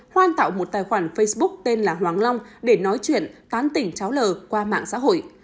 hoan tạo một tài khoản facebook tên là hoàng long để nói chuyện tán tỉnh cháu l qua mạng xã hội